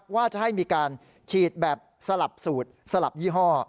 ว่าจะให้มีการฉีดแบบสลับสูตรสลับยี่ห้อ